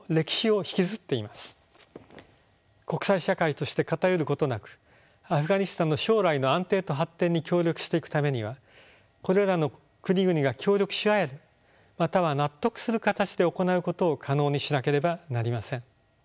国際社会として偏ることなくアフガニスタンの将来の安定と発展に協力していくためにはこれらの国々が協力し合えるまたは納得する形で行うことを可能にしなければなりません。